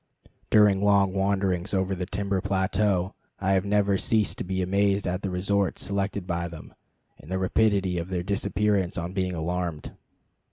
During long wanderings over the timber plateau I have never ceased to be amazed at the resorts selected by them, and by the rapidity of their disappearance on being alarmed.